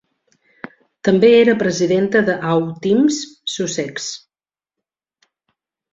També era presidenta de Autism Sussex.